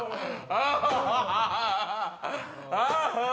アハハハ！